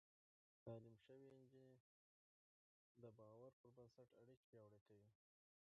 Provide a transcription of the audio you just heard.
تعليم شوې نجونې د باور پر بنسټ اړيکې پياوړې کوي.